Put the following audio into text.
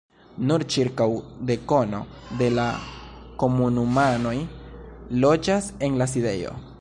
Nur ĉirkaŭ dekono de la komunumanoj loĝas en la sidejo.